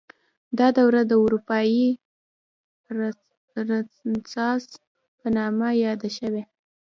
دا دوره د اروپايي رنسانس په نامه یاده شوې.